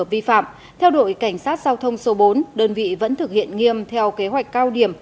theo đội cảnh sát giao thông số bốn đơn vị vẫn thực hiện nghiêm theo kế hoạch cao điểm